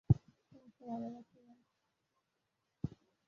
আমি তোমাকে ভালোবাসি, বাবা।